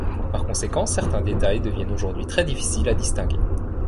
Par conséquent, certains détails deviennent aujourd'hui très difficiles à distinguer.